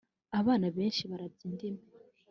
abana benshi barabya indimi.